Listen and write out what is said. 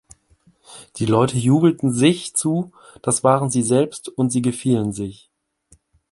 Die Leute jubelten "sich" zu, das waren sie selbst, und sie gefielen sich.